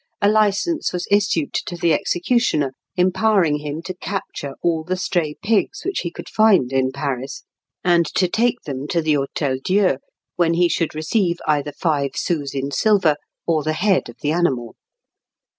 a license was issued to the executioner, empowering him to capture all the stray pigs which he could find in Paris, and to take them to the Hôtel Dieu, when he should receive either five sous in silver or the head of the animal.